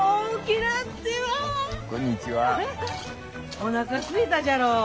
おなかすいたじゃろう。